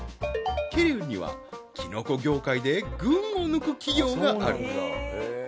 ［桐生にはキノコ業界で群を抜く企業がある］